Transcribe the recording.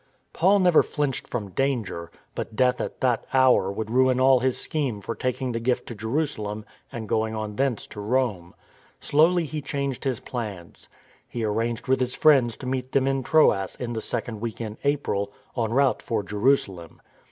Paul never flinched from danger; but death at that hour would ruin all his scheme for taking the gift to Jerusalem and going on thence to Rome. Swiftly he changed his plans. He arranged with his friends to meet them in Troas in the second week in April, en route for Jerusalem.